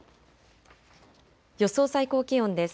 予想最高気温です。